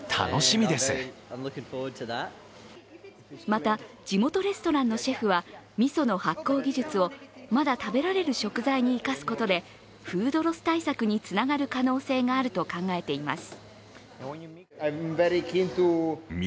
また、地元レストランのシェフはみその発酵技術をまだ食べられる食材に生かすことでフードロス対策につながる可能性があると考えています。